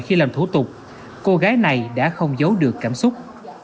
khi làm thủ tục cô gái này đã không giấu được cảm xúc